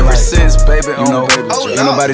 kita kasih games lu lah